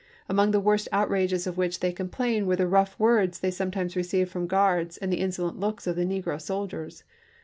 Among the worst outrages of which they complain were the rough words they some times received from guards and the insolent looks of the negro soldiers.